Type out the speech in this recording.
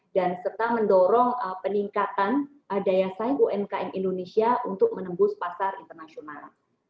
dan serta mendorong peningkatan daya saing umkm indonesia untuk menembus pasar internasional